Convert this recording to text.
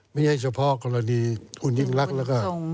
ไม่ใช่เฉพาะกรณีคุณยิ่งรักแล้วก็